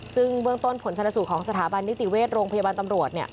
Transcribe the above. ซึ่งเบื้องต้นผลชนสูตรของสถาบันนิติเวชโรงพยาบาลตำรวจ